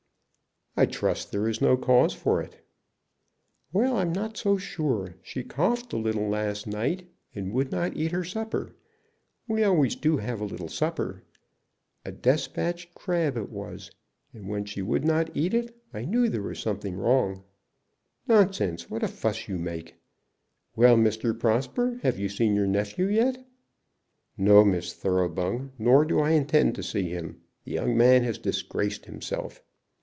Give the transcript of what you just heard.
"I trust there is no cause for it." "Well, I'm not so sure. She coughed a little last night, and would not eat her supper. We always do have a little supper. A despatched crab it was; and when she would not eat it I knew there was something wrong." "Nonsense! what a fuss you make. Well, Mr. Prosper, have you seen your nephew yet?" "No, Miss Thoroughbung; nor do I intend to see him. The young man has disgraced himself."